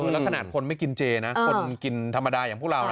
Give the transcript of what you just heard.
แล้วขนาดคนไม่กินเจนะคนกินธรรมดาอย่างพวกเรานะ